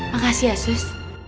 makasih ya sus